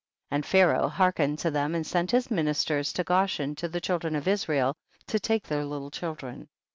30. And Pharaoh hearkened to them, and sent his ministers to Go shen to the children of Israel to take tlieir little children.